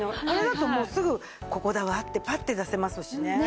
これだともうすぐここだわってパッて出せますしね。